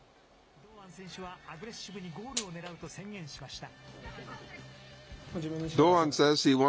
堂安選手はアグレッシブにゴールを狙うと宣言しました。